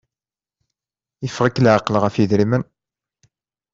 Yeffeɣ-ik laɛqel ɣef idrimen.